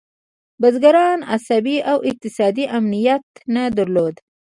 بزګرانو عصبي او اقتصادي امنیت نه درلود.